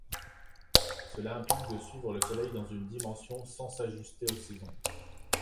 Cela implique de suivre le soleil dans une dimension sans s'ajuster aux saisons.